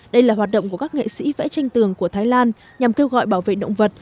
đây là hoạt động của các nghệ sĩ vẽ tranh tường của thái lan nhằm kêu gọi bảo vệ động vật